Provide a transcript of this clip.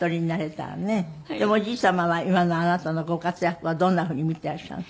でもおじい様は今のあなたのご活躍はどんなふうに見ていらっしゃるの？